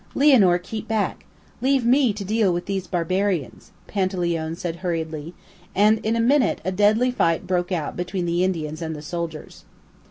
"Lianor, keep back leave me to deal with these barbarians!" Panteleone said hurriedly, and in a minute a deadly fight began between the Indians and the soldiers.